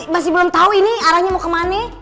masih belum tahu ini arahnya mau kemana